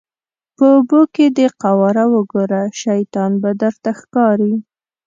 په اوبو کې دې قواره وګوره شیطان به درته ښکاري.